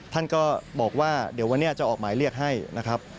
ท่านก็บอกว่าเดี๋ยววันนี้จะออกหมายเรียกให้นะครับ